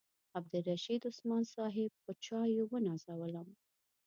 عبدالرشید عثمان صاحب په چایو ونازولم.